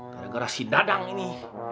gara gara si dadang ini